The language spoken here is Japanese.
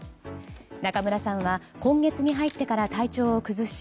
中村さんは今月に入ってから体調を崩し